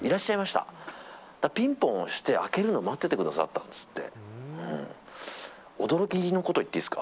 ピンポンを押して、開けるのを待っててくださったんですって。